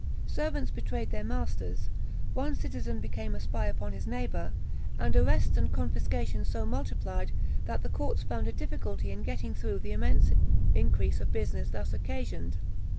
Servants betrayed their masters, one citizen became a spy upon his neighbour, and arrests and confiscations so multiplied, that the courts found a difficulty in getting through the immense increase of business thus occasioned.